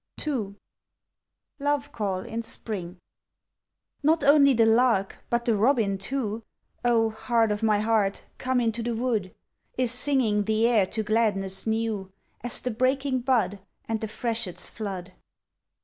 II LOVE CALL IN SPRING Not only the lark but the robin too (Oh, heart o' my heart, come into the wood!) Is singing the air to gladness new As the breaking bud And the freshet's flood!